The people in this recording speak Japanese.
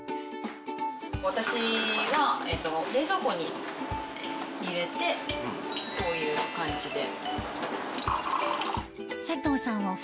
私は冷蔵庫に入れてこういう感じで。